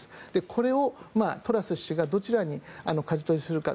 これをトラス氏がどちらにかじ取りするか。